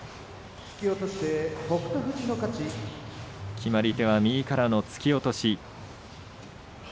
決まり手は右からの突き落とし。